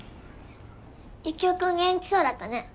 ユキオ君元気そうだったね。